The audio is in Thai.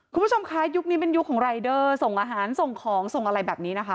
คุณผู้ชมคะยุคนี้เป็นยุคของรายเดอร์ส่งอาหารส่งของส่งอะไรแบบนี้นะคะ